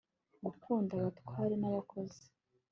Gukunda abatware nabakozi